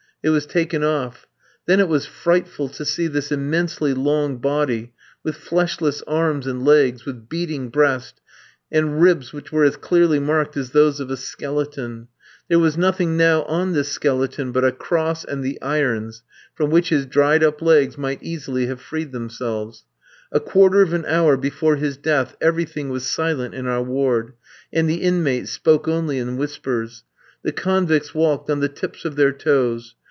It was taken off. Then it was frightful to see this immensely long body, with fleshless arms and legs, with beating breast, and ribs which were as clearly marked as those of a skeleton. There was nothing now on this skeleton but a cross and the irons, from which his dried up legs might easily have freed themselves. A quarter of an hour before his death everything was silent in our ward, and the inmates spoke only in whispers. The convicts walked on the tips of their toes.